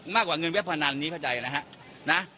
มากกว่าเงินเว็บพนันนี้เข้าใจนะฮะ